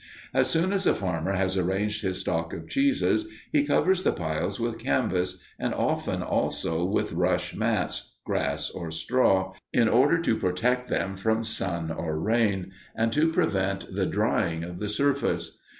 As soon as a farmer has arranged his stock of cheeses, he covers the piles with canvas, and often also with rush mats, grass, or straw, in order to protect them from sun or rain, and to prevent the drying of the surface.